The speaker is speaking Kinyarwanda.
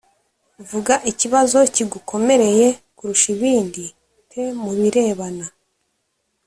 Vuga ikibazo kigukomereye kurusha ibindi te mu birebana